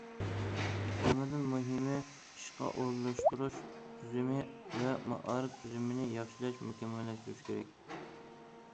ھەممىدىن مۇھىمى ئىشقا ئورۇنلاشتۇرۇش تۈزۈمى ۋە مائارىپ تۈزۈمىنى ياخشىلاش، مۇكەممەللەشتۈرۈش كېرەك.